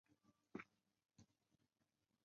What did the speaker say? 起来，该回家了